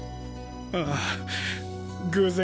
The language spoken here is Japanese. ああ偶然